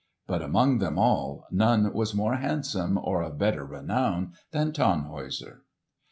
But among them all none was more handsome or of better renown than Tannhäuser.